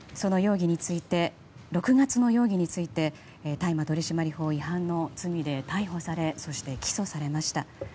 ６月の容疑について大麻取締法違反の罪で逮捕されそして、起訴されました。